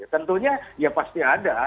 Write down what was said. tentunya ya pasti ada